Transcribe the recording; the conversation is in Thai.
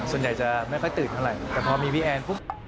ส่วนใหญ่จะไม่ค่อยตื่นเท่าไหร่แต่พอมีพี่แอนปุ๊บ